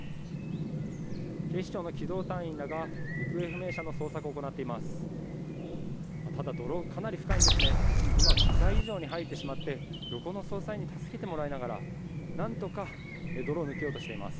警視庁の機動隊員らが行方不明者の捜索を行っています。